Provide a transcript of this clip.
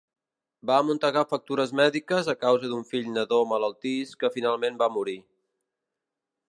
Va amuntegar factures mèdiques a causa d'un fill nadó malaltís que finalment va morir.